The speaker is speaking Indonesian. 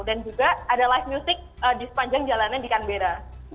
dan juga ada live music di sepanjang jalanan di canberra